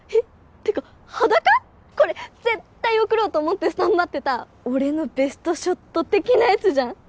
てか裸⁉これ絶対送ろうと思ってスタンバってた俺のベストショット的なやつじゃん。